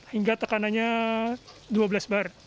hingga tekanannya dua belas bar